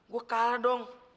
gua kalah dong